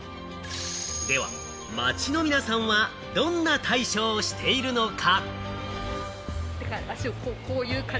では、街の皆さんはどんな対処をしているのか？